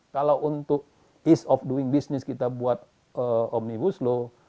kalau untuk ease of doing business kita buat omnibus law